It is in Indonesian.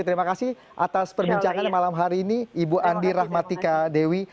terima kasih atas perbincangannya malam hari ini ibu andi rahmatika dewi